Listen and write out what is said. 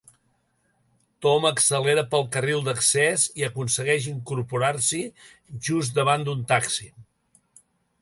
Tom accelera pel carril d'accés i aconsegueix incorporar-s'hi just davant d'un taxi.